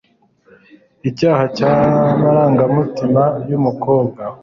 Icyaha cyamarangamutima yumukobwa